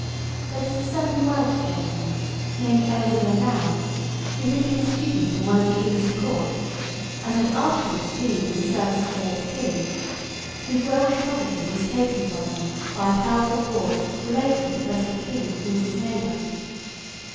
There was a certain Welsh gentleman, named Owen Glendower, who had been a student in one of the Inns of Court, and had afterwards been in the service of the late King, whose Welsh property was taken from him by a powerful lord related to the present King, who was his neighbour.